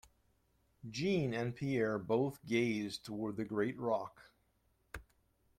Jeanne and Pierre both gazed toward the great rock.